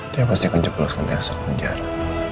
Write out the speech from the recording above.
dia pasti akan jebaskan elsa ke penjara